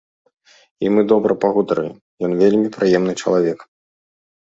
І мы добра пагутарылі, ён вельмі прыемны чалавек.